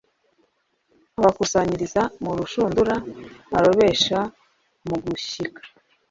abakusanyiriza mu rushundura arobesha mugushyika